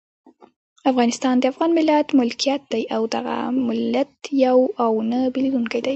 افغانستان د افغان ملت ملکیت دی او دغه ملت یو او نه بېلیدونکی دی.